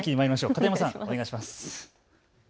片山さん、お願いします。